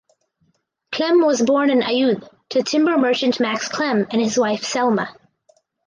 Klemm was born in Aiud to timber merchant Max Klemm and his wife Selma.